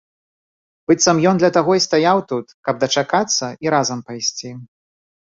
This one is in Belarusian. Быццам ён для таго і стаяў тут, каб дачакацца і разам пайсці.